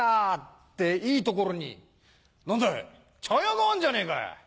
っていいところに何だい茶屋があんじゃねえか。